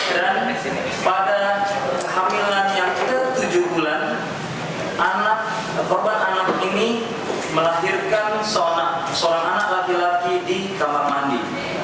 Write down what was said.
dan pada hamilan yang ketujuh bulan korban anak ini melahirkan seorang anak laki laki di kamar mandi